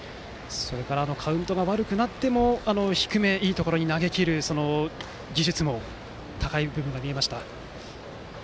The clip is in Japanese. それからカウントが悪くなっても低め、いいところに投げ切る技術も高い部分が見えました。